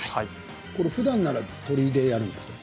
ふだんなら鶏でやるんですか？